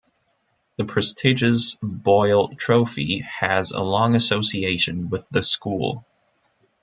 The prestigious Boyle Trophy has a long association with the school.